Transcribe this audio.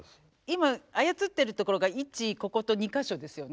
今操ってるところが１ここと２か所ですよね。